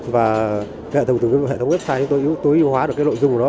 và từ hệ thống website chúng tôi ưu hóa được lội dung của nó